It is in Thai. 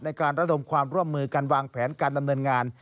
ในการระดมความร่วมมือการวางแผนการดำเนินงาน